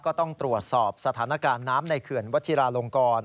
ก็ต้องตรวจสอบสถานการณ์น้ำในเขื่อนวัชิราลงกร